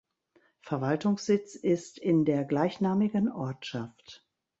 Verwaltungssitz ist in der gleichnamigen Ortschaft.